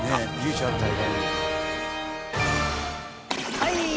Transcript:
はい！